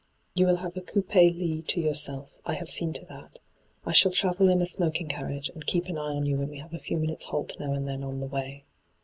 You will have a coup^ lit to your self ; I have seen to that. I shall travel in a smoking carriage, and keep an eye on you when we have a few minutes' halt now and then on the way.'